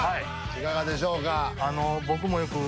いかがでしょうか。